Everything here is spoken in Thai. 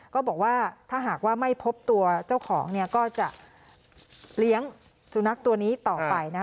ก็บอกว่าถ้าหากว่าไม่พบตัวเจ้าของเนี่ยก็จะเลี้ยงสุนัขตัวนี้ต่อไปนะ